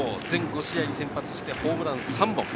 全５試合に先発してホームラン３本。